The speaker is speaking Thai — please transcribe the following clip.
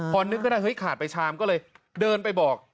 พอนึกก็ได้เฮ้ยขาดไปชามก็เลยเดินไปบอก